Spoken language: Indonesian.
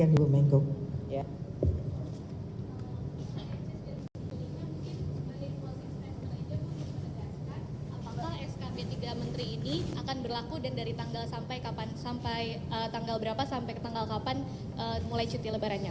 apakah skb tiga menteri ini akan berlaku dan dari tanggal sampai tanggal berapa sampai tanggal kapan mulai cuti lebarannya